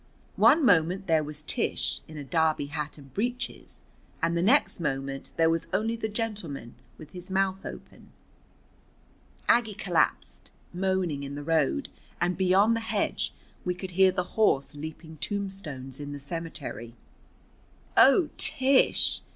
One moment there was Tish, in a derby hat and breeches, and the next moment there was only the gentleman, with his mouth open. Aggie collapsed, moaning, in the road, and beyond the hedge we could hear the horse leaping tombstones in the cemetery. "Oh, Tish!"